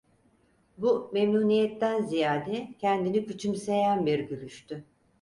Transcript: Bu, memnuniyetten ziyade kendini küçümseyen bir gülüştü.